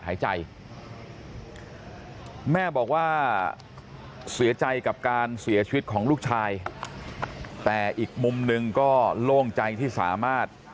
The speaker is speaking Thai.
แม่บอกว่าเสียใจกับการเสียชีวิตของลูกชายแต่อีกมุมหนึ่งก็โล่งใจที่สามารถ